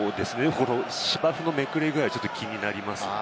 芝生のめくれ具合が気になりますね。